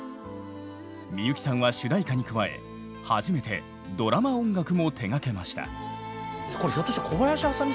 みゆきさんは主題歌に加え初めてドラマ音楽も手がけました。